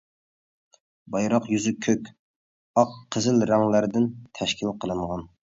بايراق يۈزى كۆك، ئاق، قىزىل رەڭلەردىن تەشكىل قىلىنغان.